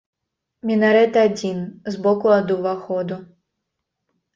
Мінарэт адзін, збоку ад уваходу.